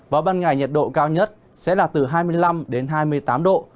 vào ban ngày nhiệt độ cao nhất sẽ là từ hai mươi năm đến hai mươi tám độ